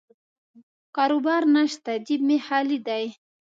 کاروبار نشته، جیب مې خالي دی.